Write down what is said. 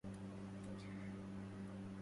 سيأخذ هذا وقتا طويلا.